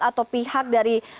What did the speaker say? atau pihak dari